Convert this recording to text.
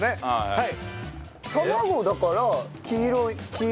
はい。